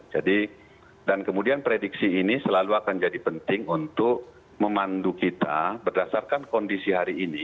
jadi dan kemudian prediksi ini selalu akan jadi penting untuk memandu kita berdasarkan kondisi hari ini